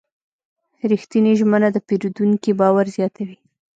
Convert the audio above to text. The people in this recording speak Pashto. رښتینې ژمنه د پیرودونکي باور زیاتوي.